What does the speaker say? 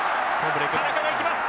田中が行きます！